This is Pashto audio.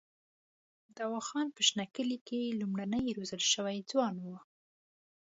دوا خان په شنه کلي کې لومړنی روزل شوی ځوان وو.